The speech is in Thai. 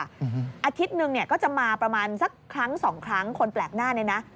อาทิตย์หนึ่งเนี่ยก็จะมาประมาณสักครั้งสองครั้งคนแปลกหน้าเนี่ยนะ